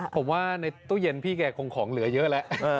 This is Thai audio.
ผมว่าในตู้เย็นพี่แกคงของเหลือเยอะแล้ว